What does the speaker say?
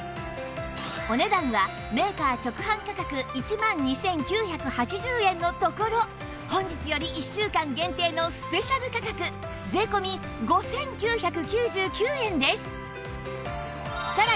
お値段はメーカー直販価格１万２９８０円のところ本日より１週間限定のスペシャル価格税込５９９９円です